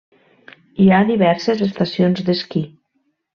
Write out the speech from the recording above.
Hi ha diverses estacions d'esquí.